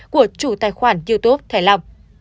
của chủ tài khoản youtube thể long